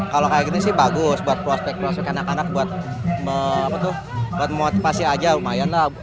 kalau kayak gini sih bagus buat prospek prospek anak anak buat memotivasi aja lumayanlah